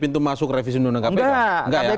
pintu masuk revisi undang undang kpk